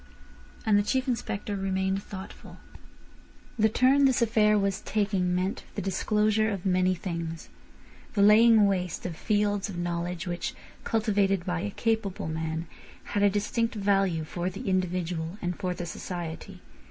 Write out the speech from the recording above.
And the Chief Inspector remained thoughtful. The turn this affair was taking meant the disclosure of many things—the laying waste of fields of knowledge, which, cultivated by a capable man, had a distinct value for the individual and for the society.